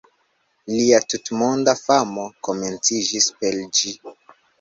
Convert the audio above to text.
Lia tutmonda famo komenciĝis per ĝi.